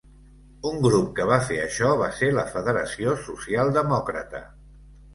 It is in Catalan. Un grup que va fer això va ser la Federació Socialdemòcrata.